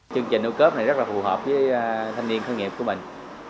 chương trình ô cớp này rất là phù hợp với thanh niên khởi nghiệp của mình